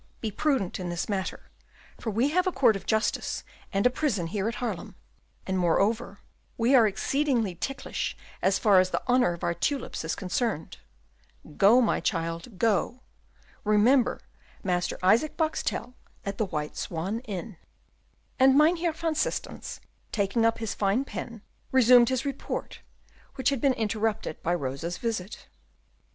Be prudent in this matter, for we have a court of justice and a prison here at Haarlem, and, moreover, we are exceedingly ticklish as far as the honour of our tulips is concerned. Go, my child, go, remember, Master Isaac Boxtel at the White Swan Inn." And Mynheer van Systens, taking up his fine pen, resumed his report, which had been interrupted by Rosa's visit.